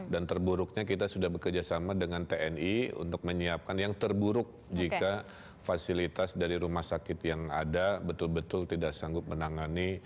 dan terburuknya kita sudah bekerjasama dengan tni untuk menyiapkan yang terburuk jika fasilitas dari rumah sakit yang ada betul betul tidak sanggup menangani